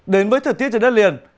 đến với thời tiết trời đất liền